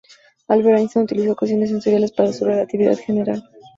Albert Einstein utilizó ecuaciones tensoriales para su Relatividad General.